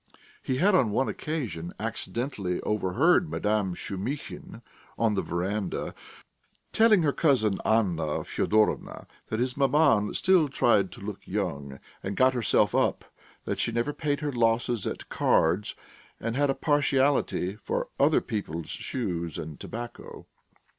He had on one occasion accidently overheard Madame Shumihin, in the verandah, telling her cousin Anna Fyodorovna that his maman still tried to look young and got herself up, that she never paid her losses at cards, and had a partiality for other people's shoes and tobacco.